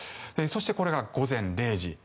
そして、これが午前０時。